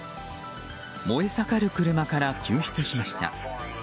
燃え盛る車から救出しました。